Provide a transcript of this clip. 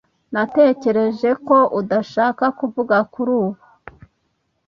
Natekereje ko udashaka kuvuga kuri ubu.